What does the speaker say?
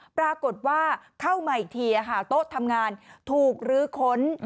ปรากฏว่าเข้ามาอีกทีโต๊ะทำงานถูกลื้อค้น